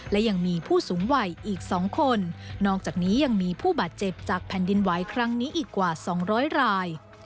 และยังมีผู้สูงวัยอีก๒คนนอกจากนี้ยังมีผู้บาดเจ็บจากแผ่นดินไหวครั้งนี้อีกกว่า๒๐๐ราย